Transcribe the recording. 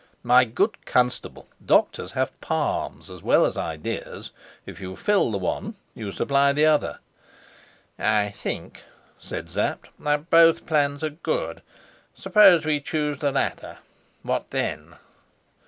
"My good Constable, doctors have palms as well as ideas. If you fill the one you supply the other." "I think," said Sapt, "that both the plans are good. Suppose we choose the latter, what then?"